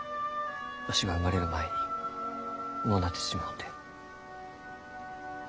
わしが生まれる前に亡うなってしもうて。